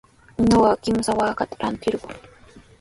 Ñuqa kimsa waakata rantirquu.